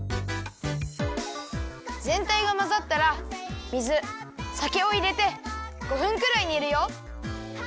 ぜんたいがまざったら水さけをいれて５分くらいにるよ。